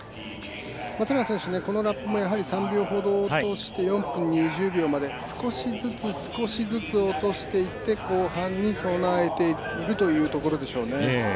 松永選手、このラップも３秒ほど落として４分２０秒まで少しずつ少しずつ落としていって後半に備えているというところでしょうね。